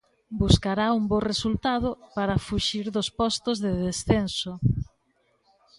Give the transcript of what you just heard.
Buscará un bo resultado para fuxir dos postos de descenso.